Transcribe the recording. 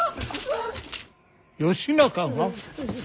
義仲が？